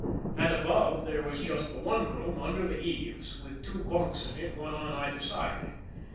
And above there was just the one room under the eaves with two bunks in it, one on either side.